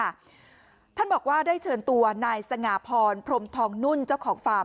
ท่านบอกว่าได้เชิญตัวนายสง่าพรพรมทองนุ่นเจ้าของฟาร์ม